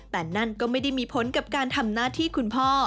แต่นั่นก็ไม่ได้มีผลกับการทำหน้าที่คุณพ่อ